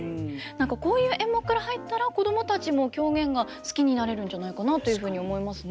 こういう演目から入ったら子供たちも狂言が好きになれるんじゃないかなというふうに思いますね。